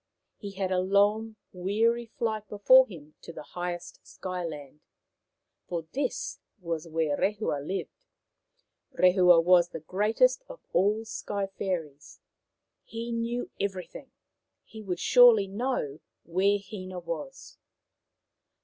He had a long, weary flight before him to the highest Sky land, for this was where Rehua lived. Rehua was the greatest of all Sky fairies. He knew everything ; he would surely know where Hina was.